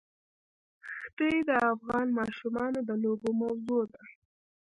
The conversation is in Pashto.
ښتې د افغان ماشومانو د لوبو موضوع ده.